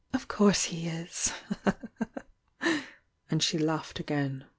"Of course he is!" And she laughed again.